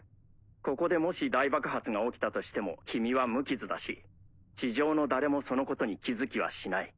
ここでもし大爆発が起きたとしても君は無傷だし地上の誰もそのことに気付きはしない。